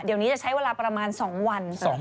เดี๋ยวนี้จะใช้เวลาประมาณ๒วัน